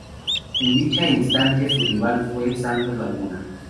En dicha instancia su rival fue Santos Laguna.